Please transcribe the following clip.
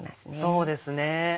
そうですね。